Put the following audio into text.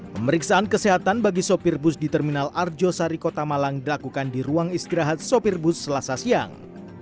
pemeriksaan kesehatan bagi sopir bus di terminal arjosari kota malang dilakukan di ruang istirahat sopir bus selasa siang